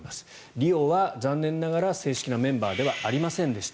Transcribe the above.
リオは残念ながら正式なメンバーではありませんでした。